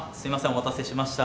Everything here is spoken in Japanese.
お待たせしました。